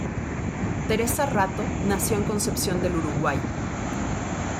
Teresa Ratto nació en Concepción del Uruguay.